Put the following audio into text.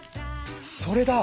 それだ！